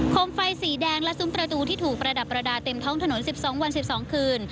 มไฟสีแดงและซุ้มประตูที่ถูกประดับประดาษเต็มท้องถนน๑๒วัน๑๒คืน